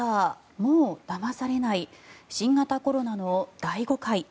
「もうだまされない新型コロナの大誤解」。